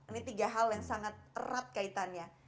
ini tiga hal yang sangat erat kaitannya